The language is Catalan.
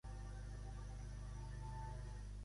Al poble vell de Corroncui n'hi ha una de semblant.